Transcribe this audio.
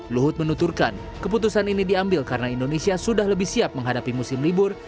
luhut menuturkan keputusan ini diambil karena indonesia sudah lebih siap menghadapi musim libur